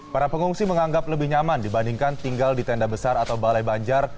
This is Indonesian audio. para pengungsi menganggap lebih nyaman dibandingkan tinggal di tenda besar atau balai banjar